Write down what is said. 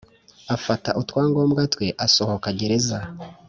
afata utwangombwa twe asohoka gereza